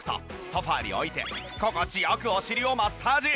ソファに置いて心地良くお尻をマッサージ。